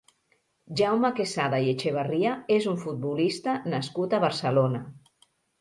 Jaume Quesada i Echevarria és un futbolista nascut a Barcelona.